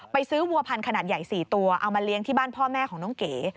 ซื้อวัวพันธุ์ขนาดใหญ่๔ตัวเอามาเลี้ยงที่บ้านพ่อแม่ของน้องเก๋